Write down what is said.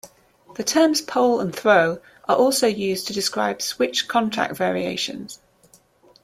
The terms pole and throw are also used to describe switch contact variations.